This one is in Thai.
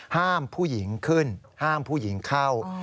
ห้ามผู้หญิงขึ้นห้ามผู้หญิงเข้า